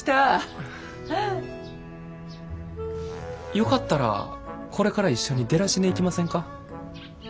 よかったらこれから一緒にデラシネ行きませんか？